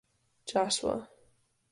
Joshua.